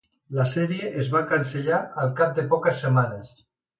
La sèrie es va cancel·lar al cap de poques setmanes.